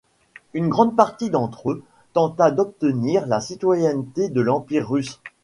Une grande partie d'entre eux tenta d'obtenir la citoyenneté de l'Empire russe.